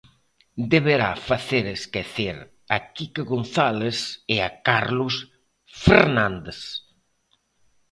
Deberá facer esquecer a Quique González e a Carlos Fernández.